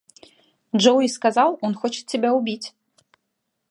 Джоуи сказал, он хочет тебя убить.